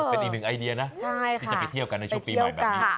เป็นอีกหนึ่งไอเดียนะที่จะไปเที่ยวกันในช่วงปีใหม่แบบนี้